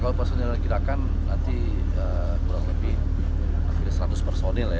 kalau personil dikirakan nanti kurang lebih hampir seratus personil ya